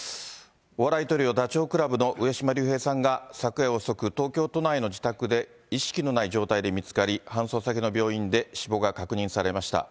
お笑いトリオ、ダチョウ倶楽部の上島竜兵さんが、昨夜遅く、東京都内の自宅で、意識のない状態で見つかり、搬送先の病院で死亡が確認されました。